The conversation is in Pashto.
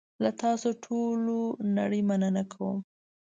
له تاسوټولونړۍ مننه کوم .